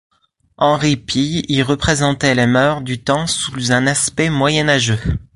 Henri Pille y représentait les mœurs du temps sous un aspect moyen-âgeux.